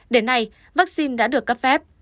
đến nay vaccine đã được cấp phép